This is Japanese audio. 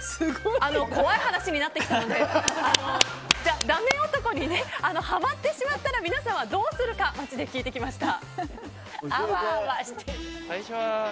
怖い話になってきたのでじゃあ、ダメ男にハマってしまったら皆さんはどうするか街で聞いてきました。